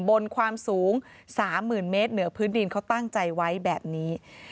บนความสูง๓๐๐๐เมตรเหนือพื้นดินเขาตั้งใจไว้แบบนี้